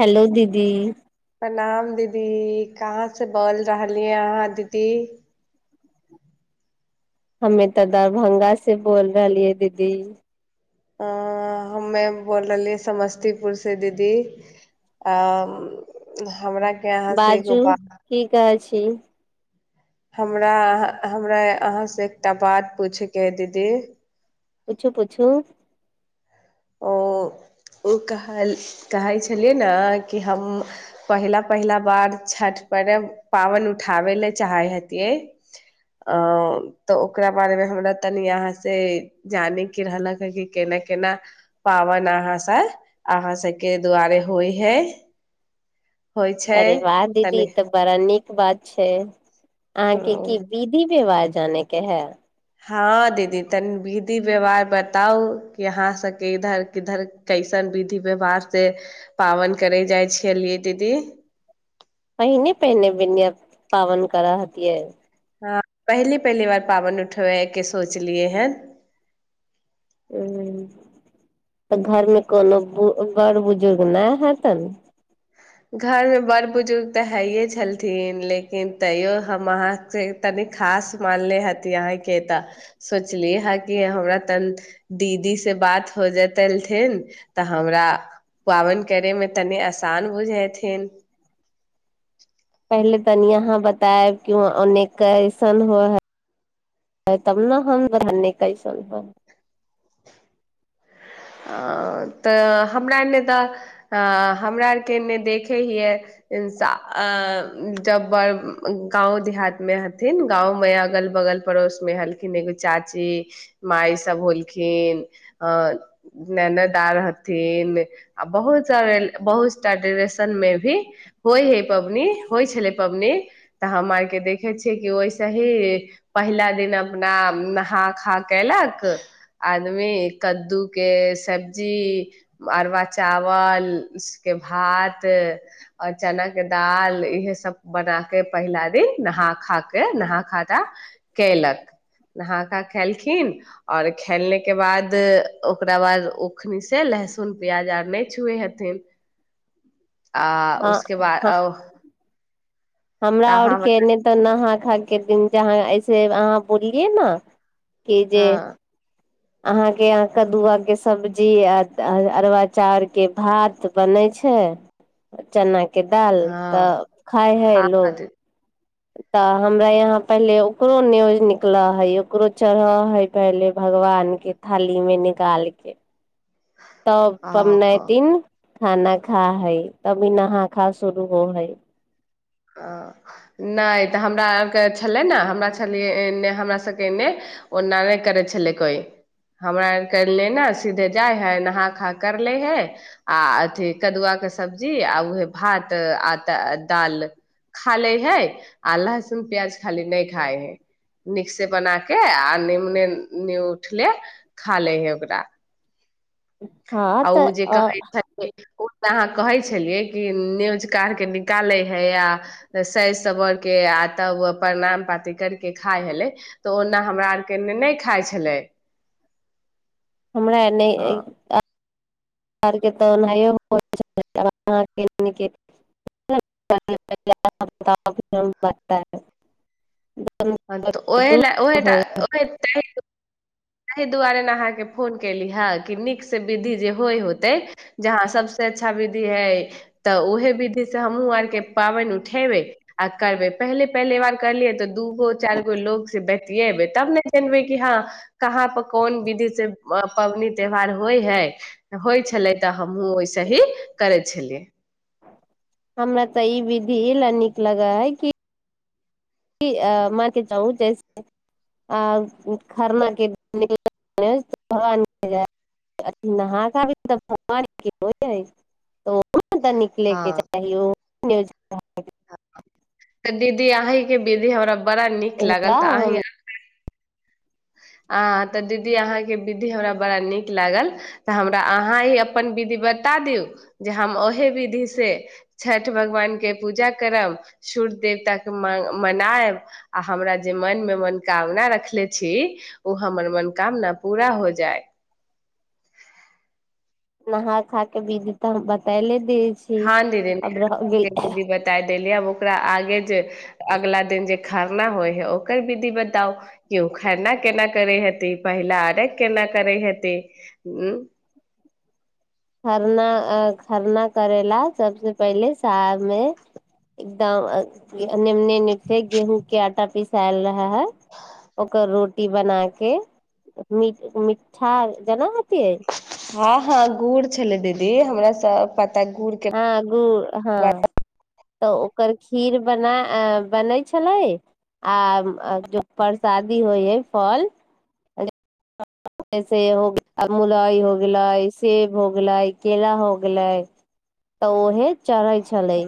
hello दीदी प्रणाम दीदी कहाँ से बोल रहलियै अहाँ दीदी हमे तऽ दरभंगा से बोल रहलियै दीदी अ हमे बोल रहलियै समस्तीपुर से दीदी अ हमरा के अहाँ से एगो बाजू बात ठीक अछि ची हमरा अहाँ हमरा अहाँ से एकटा बात पूछैके हइ दीदी पूछू पूछू ओ ओ कह कहै छलियै ने कि हम पहिला पहिला बार छठि पर्व पाबनि उठाबै लए चाहे हतियै अ तऽ ओकरा बारेमे हमरा तनि अहाँ से जानैके रहलक ह कि केना केना पाबन अहाँ सब अहाँ सबके दुआरे होइ है होइ छै अरे वाह दीदी तनि तऽ बड़ा नीक बात छै अहाँ के की दिदि व्यवार जाने के हेय हँ दीदी तनी विधि व्यवहार बताउ कि अहाँ सबके इधर किधर कैसन विधि व्यवहार से पाबैन करे जाइ छलियै दीदी पहिने पहिने बेनिया पावन कर हतियै हँ पहली पहली बार पाबन उठबैके सोचलियै हन ह तऽ घरमे कोनो बड़ बुजुर्ग नहि हतन घर मे बड़ बुजुर्ग तऽ हइे छलथिन लेकिन तैयो हम अहाँके तनी खास मानले हती अहाँ के तऽ सोचलिय हे कि हमरा तनी दीदी से बात हो जेत एलथिन तऽ हमरा पाबनि करे मे तनी आसान बुझै थिन पहिले तनि अहाँ बतायब कि वाँ ओने कैसन होय हय तब ने हमने कैसन अ तऽ हमरा एने तऽ अ हमरा आरके एने देखै हियए जब बड़ गाँव देहातमे हथिन गाँवमे अगल बगल पड़ोसमे हलखिन एगो चाची माइ सभ होलखिन अ ननदआर हथिन आ बहुत सारा बहुत सार डरेशन मे भी होइ हय पबनी होइ छलै पबनी तऽ हम आर के देखे छियै कि ओहिसे ही पहिला दिन अपना नहा खा केलक आदमी कद्दू के सब्जी अरबा चावल के भात आओर चना के दाल इहे सब बना के पहिला दिन नहा खा केे खेलक कलक नहा खा खेलखिन ओर खेलने के बाद ओकरा बाद ओखनि से लहसुन प्याज आर नहि छुए हेथिन आ उसके बाद ह और हमरा आओर केने तऽ नहा खा के दिन जहाँ ऐसे अहाँ बोललियै ने की जे हँ अहाँके य कदुआ के सब्जी आ अरबा चाउर के भात बनै छै चना के के दाल तऽ हँ खाइ हय हँ लोग दीदी तऽ हमरा यहाँ पहिले ओकरो न्योज निकलऽ हइ ओकरो चढ़ऽ हइ पहिले भगवानके थालीमे निकाल कऽ तब ओ पबनैतिन खाना खा है तभी नहा खा शुरू हो है ह नहि तऽ हमरा आरके छलै ने हमरा छलियै एन्ने हमरा सभके एन्ने ओना नहि करै छलै कोइ हमरा आरके एने सीधे जाइ हइ नहा खा कर लैत हइ आ अथी कदुआके सब्जी आ उएहे भात आ तऽ दालि खा लै है आ लहसुन प्याज खाली नहि खाइ है नीक से बना के आ निमने निहुउठले खा ले है ओकरा हँ आ ओ तऽ जे अ कहै छलै ओ त अहाँ कहै छलियै कि न्योज का क निकालै हे आ सरि सबरके आ तब प्रणाम पाती करके खाइ छलै तऽ ओना हमरा आरके नहि खाइ छलै हमरा एनहि हँ हमरा आर के ओनाहि होइ छलै आब अहाँ आर के एने की [unintelligible] ह तऽ ओह ल ओहे तऽ ओह तऽ तहि ताहि दुआरे ने अहाँके फोन कली हँ कि नीकसँ विधि जे होइ होतै जहाँ सभसँ अच्छा विधि हइ तऽ उहे विधि से हमहुँ आरके पाबनि उठेबै आ करबै पहिले पहले बार करलियै तऽ दूगो चारि गो लोग से बतियेबै तब ने जनबै कि हँ कहाँ पर कोन विधि से पबनी त्योहार होइ है होइ छलै तऽ हमहूँ ओहिसे ही करै छलियै हमरा तऽ ई विधि ई लए नीक लगै है कि म [unintelligible] च जे खरना न तऽ हँ निकलेके चाही ओ ई नहि होइ छै अहाँ के तऽ दीदी अहींके दीदी हमरा बड़ा नीक लागल तऽ अहीं हम आर के आ तऽ दीदी अहाँके विधि हमरा बड़ा नीक लागल तऽ हमरा अहाँ ही अपन विधि बता दियौ जे हम ओही विधिसँ छठि भगवानके पूजा करब सूर्य देवताके म मनायब आ हमरा जे मनमे मनोकामना रखले छी ओ हमर मनोकामना पूरा हो जाइ नहा खा के विध तऽ हम बतैले दै छी हँ दीदी अब रह गेल दीदी बता देलीब ओकरा आ बेर जे अगला दिन जे खरना होइ है ओकर विधि बताउ कि ओ खरना केना करै हेति पहिला अरघ केना करैत हेति खरना आ खरना करय ला सबसे पहिले साममे एकदम एनेे उने से गेहूँ के आटा पीस पिसायल रह है ओकर रोटी बना के मिड मिठ मिठा जेना हँ हँ गूड़ छलै दीदी हमरा सऽ प त गुड़के हँ गुड़ हँ तऽ ओकर खीर बना आ बनै छलै आ जे परसादी होइ हइ फल जैसे हो गेलै मुलई हो गेलै सेब हो गेलै केला हो गेलै तऽ ओहे चढ़े छलै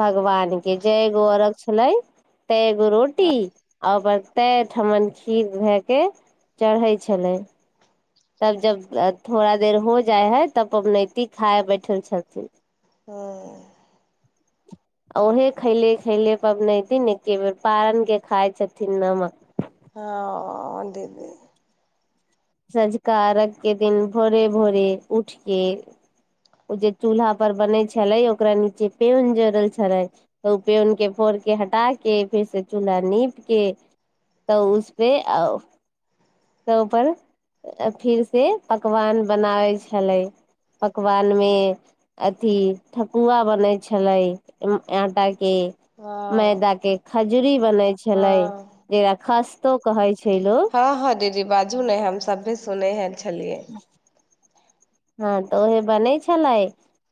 भगवान के जय गो अरघ छलै तय एगो रोटी आ ओकर तय ठमन खीर धए के चढ़ै छलै तब जब थोड़ा देर हो जाइ हइ तब पबनैति खाए बैठल छथिन हँ उहे खैले खैले पबनथिन एके बेर पारण के खाय छथिन नमक हँ दीदी सँझुका अर्घ्य के दिन भोरे भोरे उठके ओ जे चूल्हा पर बनै छलै ओकरा नीचे पेउन जोड़ल छलै तऽ ओ पेउनके फोर के हटा के फेरसँ चूल्हा नीप के तऽ उसपे आ तै पर फिर से पकवान बनाबै छलै पकवान मे अथी ठकुआ बनैत छलै आटाे के हँ मैदा के खजरी बनय छले हँ जेकरा खस तो कहै छै लोग हँ हँ दीदी बाजू न हम सभे सुनै ह छलियै हँ तऽ ओहे बनेै छले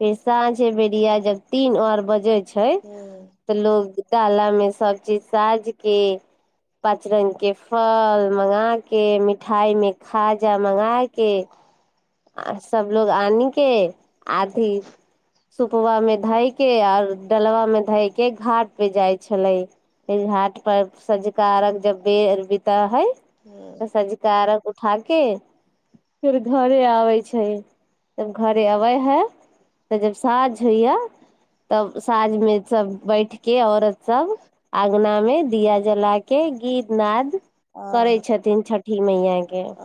फेर साँझ बेरिया जब तीन आर बजे छै ह तऽ लोग डाला मे सब चीज साजके पाँच रंगग के फल मगा के मिठाई मे खाजा मंगा के आ सब लोग आनि के आथी सुपबा मे धए के आओर डलबा में धय के घाट पे जाय छले घाट पर सँंझुकार अर्घ जब बेर बीत हे ह तऽसझकारघ हाके फेर घरे आबै छै जब घरे अबै है तऽ जब साँझ होइया तब साँझमे सब बैठके औरत सब अङगना मे दिया जलाके गीत नद करै छथिन छठ छठी मैयाके [unintelligible]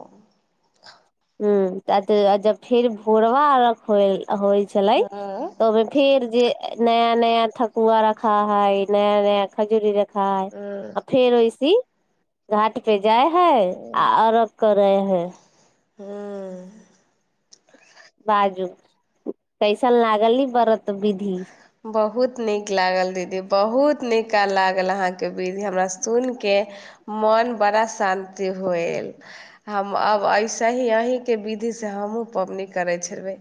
[inaudible] ह जब फेर भोरबा होयल होइ छलै हँ तऽ ओहिमे फेर जे नया नया ठकुआ रखा हैय नया नया खजूरी र खाय आ फेर ओहिसी घाट पे जाइ है आ अर्घ करैय है हूँ बाजु कैइसन लागल इ व्रत विधि बहुत नीक लागल दीदी बहुत निका लागल अहाँके विधि हमरा सुनिके मोन बड़ा शान्ति होएल हम अब ऐसेहि अहींके विधि से हमहुूँ पबनी करै छलबै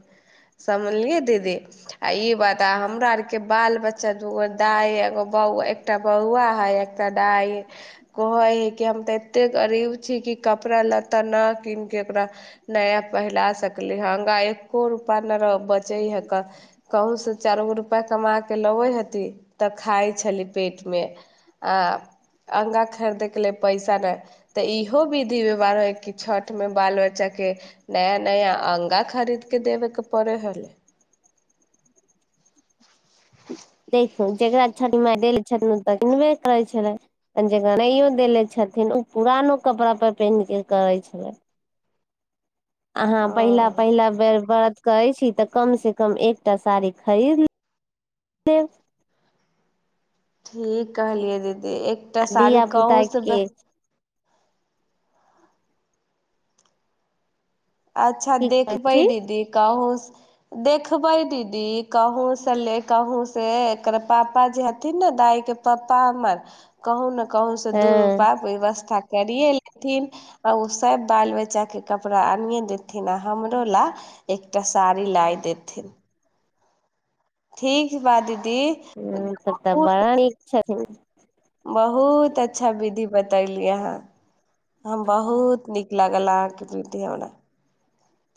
समझलियै दीदी आ ई बात तऽ हमरा आरके बाल बच्चा दूगो दाइ एगो बौआ एकटा बौआ है एकटा दाइ कहै हइ कि हम तऽ एतेक गरीब छी कि कपड़ा लत्ता नहि कीन के ओकरा नया पहिला सकली हगा एक्को रुपा नहि बचै है कहँसँ चार गो रुपैआ कमा कऽ लबै हती तऽ खाइ छली पेटमे आ अङगा खरीदयके ल लेल पैसा नहि तऽ इहो विधि व्यवहार हइ कि छठिमे बाल बच्चाके नया नया अङगा खरीदके देबेके पड़ै हलै देखू जकरा छठि मा देले छथिन ओ तऽ पिन्हबे करै छलै त जकरा नहिओ देले छथिन ओ पुरानो कपड़ापर पेन्ह कऽ करै छलै अहाँ ओ पहिला पहिला बेर बर करै छी तऽ कमसँ कम एकटा साड़ी खरीद ल लेब ठीक कहलियै दीदी एकटा आ साड़ी धिया पुता कहूँ से के अच्छा की कहै देखबै छी दीदी कहु देखबै दीदी कहुं से ले कहु से एकर पापा जी हथिन ने दाय के पप्पा हमर कहूँ ने कहुं से दू हँ रूपाय व्यवस्था करियए लेथिन आ ओ सब बाल बच्चा के कपड़ा आनिये देथिन आ हमरोला एकटा साड़ी लाइ देथिन ठीक बा दीदी ह्म‌ तब त बहुत बड़ा नीक छथि हँ बहुत अच्छा विधि बतैली अहाँ हम बहुत नीक लागल अहाँके प्रति हमरा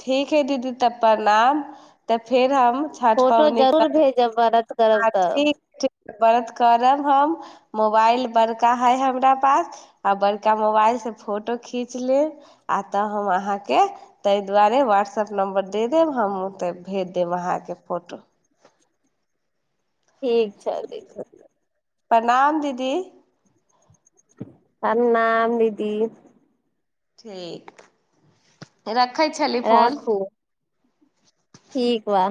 ठीक है दीदी तऽ प्रणाम तऽ फेर हम छठि फोटो पाबनि जरूर भेजब बरत करब हँ तऽ ठीक ठीक व्रत करब हम मोबाइल बड़का हइ हमरा पास आ बड़का मोबाइलसँ फोटो खींच लेब आ तऽ हम अहाँके तहि दुआरे व्हाट्सअप नम्बर दे देब हम तऽ भेज देब अहाँके फोटो ठीक छै दीदी प्रणाम दीदी प्रणाम दीदी ठीक रखु रखै छली फोन [unintelligible] राखू ठीक वा